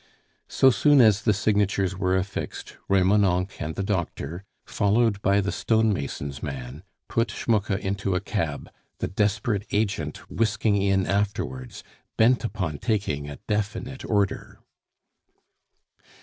So soon as the signatures were affixed, Remonencq and the doctor (followed by the stone mason's man), put Schmucke into a cab, the desperate agent whisking in afterwards, bent upon taking a definite order.